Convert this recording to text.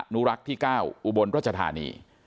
นุรักษ์ที่๙อุบลรัชธานี